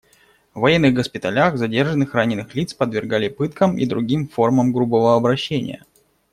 В военных госпиталях задержанных раненых лиц подвергали пыткам и другим формам грубого обращения.